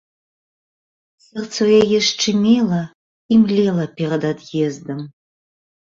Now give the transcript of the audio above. Сэрца ў яе шчымела і млела перад ад'ездам.